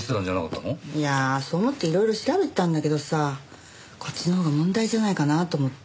いやあそう思っていろいろ調べてたんだけどさこっちのほうが問題じゃないかなと思って。